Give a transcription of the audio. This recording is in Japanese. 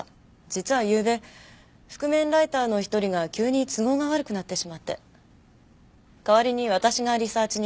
実はゆうべ覆面ライターの一人が急に都合が悪くなってしまって代わりに私がリサーチに行ったんです。